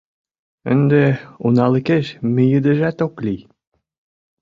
Ынде уналыкеш мийыдежат ок лий.